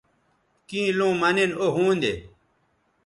کیں لوں مہ نن او ھوندے